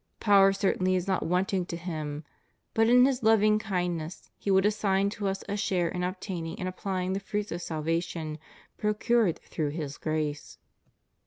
Power certainly is not wanting to Him, but in His loving kindness He would assign to us a share in obtaining and applying the fruits of salvation procured through His grace.